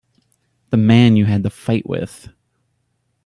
The man you had the fight with.